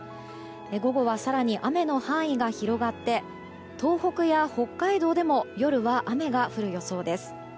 午後は更に雨の範囲が広がって東北や北海道でも夜は雨が降る予想です。